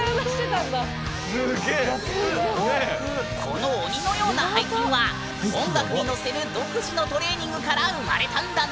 この鬼のような背筋は音楽に乗せる独自のトレーニングから生まれたんだね。